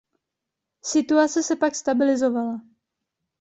Situace se pak stabilizovala.